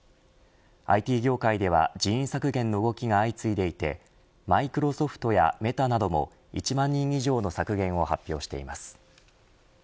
ＩＴ業界では人員削減の動きが相次いでいてマイクロソフトやメタなども１万人以上の削減を発表しています。